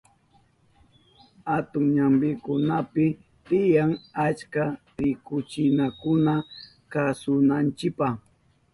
Atun ñampikunapi tiyan achka rikuchinakuna kasunanchipa.